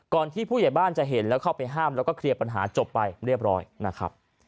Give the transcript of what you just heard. ที่ผู้ใหญ่บ้านจะเห็นแล้วเข้าไปห้ามแล้วก็เคลียร์ปัญหาจบไปเรียบร้อยนะครับ